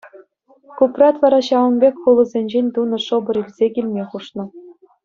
Купрат вара ҫавӑн пек хулӑсенчен тунӑ шӑпӑр илсе килме хушнӑ.